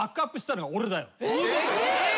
えっ！？